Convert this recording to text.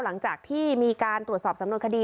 หลังจากที่มีการตรวจสอบสำนวนคดี